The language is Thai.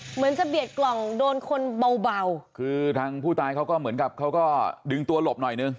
เหมือนจะเบียดกล่องโดนคนเบาเบาคือทางผู้ตายเขาก็เหมือนกับเขาก็ดึงตัวหลบหน่อยนึง